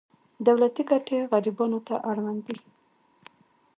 دولتي ګټې غریبانو ته اړوند دي.